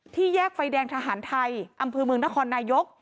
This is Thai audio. แยกไฟแดงทหารไทยอำเภอเมืองนครนายก